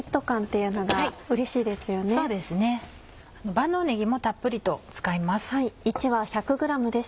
万能ねぎもたっぷりと使います。